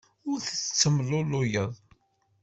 Ur tettemlelluyeḍ.